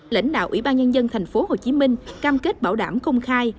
lãnh đạo ủy ban nhân dân tp hcm cam kết bảo đảm công khai